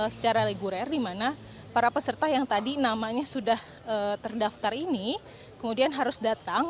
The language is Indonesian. secara reguler di mana para peserta yang tadi namanya sudah terdaftar ini kemudian harus datang